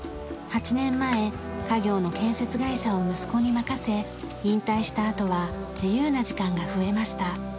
８年前家業の建設会社を息子に任せ引退したあとは自由な時間が増えました。